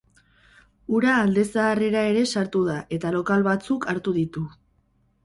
Ura alde zaharrera ere sartu da, eta lokal batzuk hartu ditu.